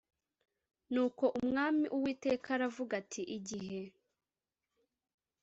Nuko umwami uwiteka aravuga ati igihe